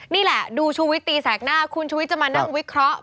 นี่แหละดูชุวิตตีแสกหน้าคุณชุวิตจะมานั่งวิเคราะห์